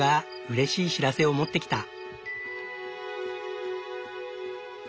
うれしい知らせをもってきた。